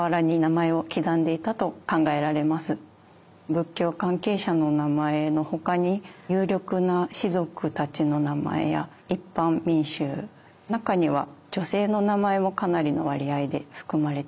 仏教関係者の名前のほかに有力な氏族たちの名前や一般民衆中には女性の名前もかなりの割合で含まれています。